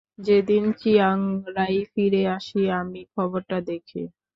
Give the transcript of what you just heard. যেদিন Chiang Rai ফিরে আসি, আমি খবরটা দেখি।